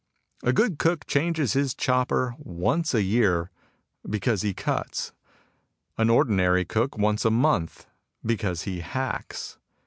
"A good cook changes his chopper once a year, — because he cuts. An ordinary cook, once a month, — because he hacks.